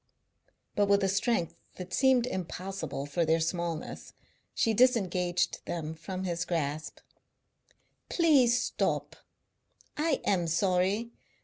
But with a strength that seemed impossible for their smallness she disengaged them from his grasp. "Please stop. I am sorry.